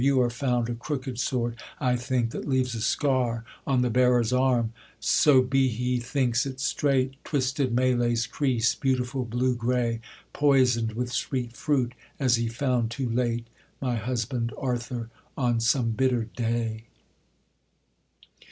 you are found A crooked sword, I think, that leaves a scar On the bearer's arm, so be he thinks it straight, Twisted Malay's crease beautiful blue grey, Poison'd with sweet fruit; as he found too late, My husband Arthur, on some bitter day!